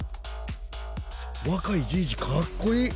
若いじいじかっこいい！